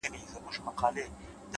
چي مرور نه یم ـ چي در پُخلا سم تاته ـ